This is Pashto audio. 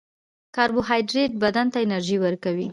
کاربوهایډریټ بدن ته انرژي ورکوي